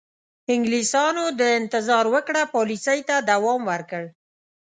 انګلیسیانو د انتظار وکړه پالیسۍ ته دوام ورکړ.